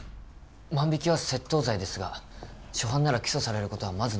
万引は窃盗罪ですが初犯なら起訴されることはまずないはずです。